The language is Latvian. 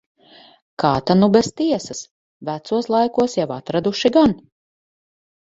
Kā ta nu bez tiesas. Vecos laikos jau atraduši gan.